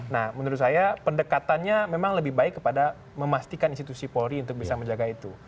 nah menurut saya pendekatannya memang lebih baik kepada memastikan institusi polri untuk bisa menjaga itu